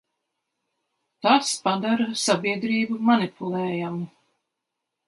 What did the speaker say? Tas padara sabiedrību manipulējamu.